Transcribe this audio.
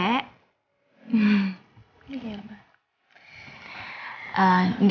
kayaknya cucu mama itu juga lagi capek